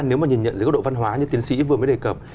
dưới góc độ văn hóa như tiến sĩ vừa mới đề cập